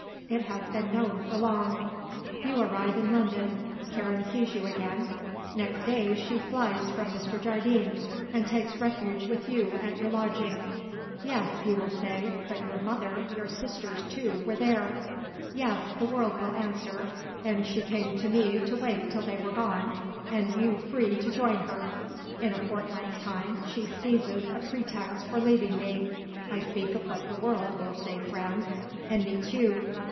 It has been known for long. You arrive in London; Karen sees you again; next day she flies from Mr. Jardine and takes refuge with you at your lodgings. Yes, you will say, but your mother, your sisters, too, were there. Yes, the world will answer, and she came to me to wait till they were gone and you free to join her. In a fortnight's time she seizes a pretext for leaving me I speak of what the world will say Franz and meets you.